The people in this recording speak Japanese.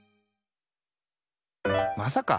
まさか！